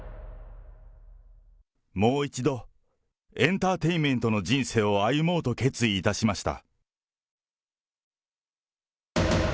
もう一度、エンターテインメントの人生を歩もうと決意いたしました。